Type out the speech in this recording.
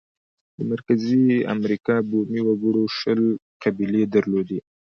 د مرکزي امریکا بومي وګړو شل قبیلې درلودې.